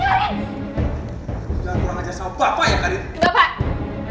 jangan pulang ajar sama bapak ya karim